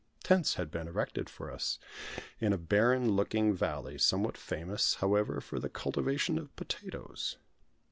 Tents had been erected for us in a barren looking valley, somewhat famous, however, for the cultivation of potatoes.